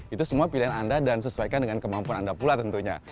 itu semua pilihan anda dan sesuaikan dengan kemampuan anda pula tentunya